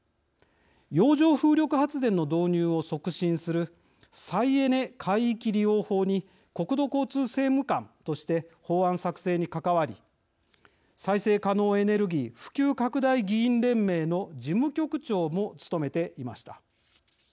洋上風力発電の導入を促進する再エネ海域利用法に国土交通政務官として法案作成に関わり再生可能エネルギー普及拡大議員連盟の事務局長も務めていました。